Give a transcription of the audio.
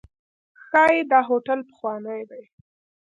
ښایي دا هوټل پخوانی دی.